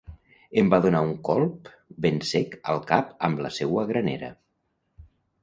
Em va donar un colp ben sec al cap amb la seua granera.